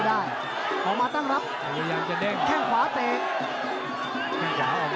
ออกมาตั้งรับแท่งขวาเตะ